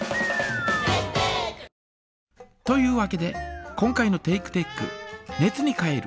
というわけで今回のテイクテック「熱に変える」